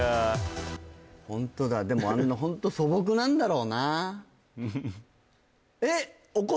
ホントだでもホント素朴なんだろうなえっ